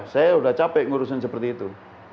saya sudah capek ngurusin seperti itu